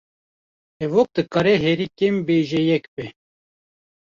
Hevok dikare herî kêm bêjeyek be